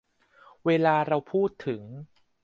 เวลาเราพูดถึง